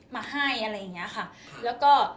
มาให้อะไรอย่างเงี้ยค่ะแล้วก็